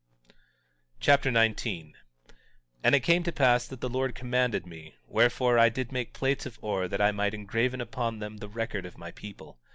1 Nephi Chapter 19 19:1 And it came to pass that the Lord commanded me, wherefore I did make plates of ore that I might engraven upon them the record of my people.